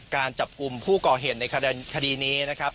การจับกลุ่มผู้ก่อเหตุในคดีนี้นะครับ